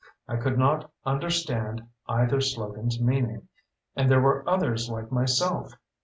I could not understand either slogan's meaning and there were others like myself.